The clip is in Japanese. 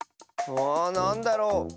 あなんだろう？